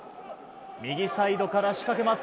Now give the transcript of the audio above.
右サイドから仕掛けます。